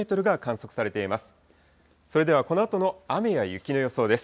それではこのあとの雨や雪の予想です。